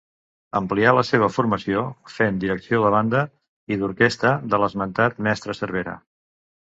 Amplià la seva formació fent direcció de banda i d'orquestra de l'esmentat mestre Cervera.